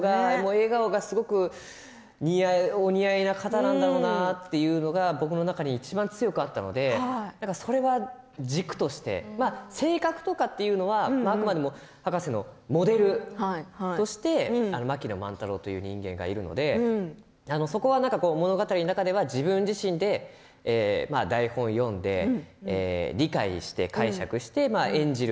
笑顔がすごくお似合いな方なんだろうなというのが僕の中でいちばん強くあったのでそれは軸として性格とかというのはあくまで博士のモデルとして槙野万太郎という人間がいるのでそこは物語の中では自分自身で台本を読んで、理解して解釈して演じる